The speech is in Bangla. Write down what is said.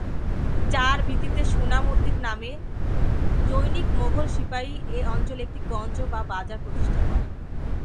যার ভিত্তিতে সুনাম উদ্দিন নামে জনৈক মোঘল সিপাহী এ অঞ্চলে একটি গঞ্জ বা বাজার প্রতিষ্ঠা করেন।